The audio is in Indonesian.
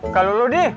kalau lo deh